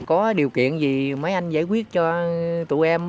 có điều kiện gì mấy anh giải quyết cho tụi em